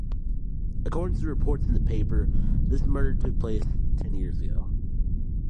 According to the reports in the paper, this murder took place ten years ago.